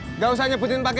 nenggara pas ngajar duit ga